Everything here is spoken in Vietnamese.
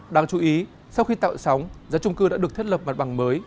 đáng chú ý sau khi tạo sóng giá trung cư đã được thiết lập mặt bằng mới